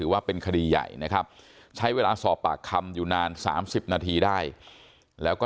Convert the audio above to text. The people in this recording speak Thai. ว่าเป็นคดีใหญ่นะครับใช้เวลาสอบปากคำอยู่นาน๓๐นาทีได้แล้วก็